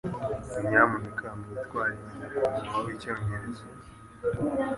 Nyamuneka mwitware nka nyakubahwa wicyongereza.